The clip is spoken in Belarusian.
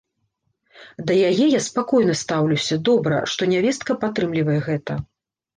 Да яе я спакойна стаўлюся, добра, што нявестка падтрымлівае гэта.